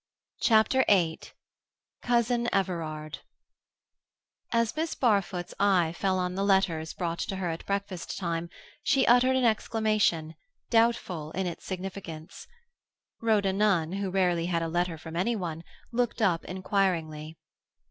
CHAPTER VIII COUSIN EVERARD As Miss Barfoot's eye fell on the letters brought to her at breakfast time, she uttered an exclamation, doubtful in its significance. Rhoda Nunn, who rarely had a letter from any one, looked up inquiringly.